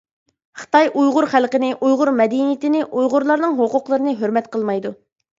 خىتاي ئۇيغۇر خەلقىنى، ئۇيغۇر مەدەنىيىتىنى، ئۇيغۇرلارنىڭ ھوقۇقلىرىنى ھۆرمەت قىلمايدۇ.